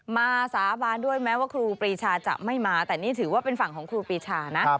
สาบานด้วยแม้ว่าครูปรีชาจะไม่มาแต่นี่ถือว่าเป็นฝั่งของครูปีชานะ